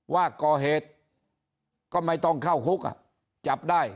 ว่าก่อเหตุก็ไม่ต้องเข้าคุกจับได้